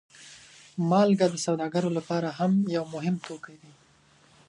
مالګه د سوداګرو لپاره هم یو مهم توکی دی.